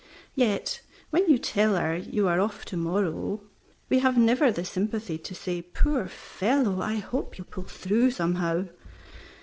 Yet, when you tell us you are off to morrow, we have never the sympathy to say, "Poor fellow, I hope you'll pull through somehow."